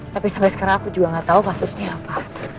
tapi sampe sekarang aku juga gak tau kasusnya apa